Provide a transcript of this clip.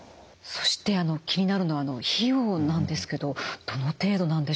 そして気になるのは費用なんですけどどの程度なんでしょうか？